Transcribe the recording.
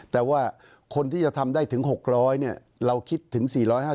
แต่ว่าคนที่จะทำได้ถึง๖๐๐เนี่ยเราคิดถึง๔๕๐